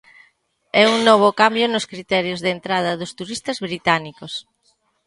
E un novo cambio nos criterios de entrada dos turistas británicos.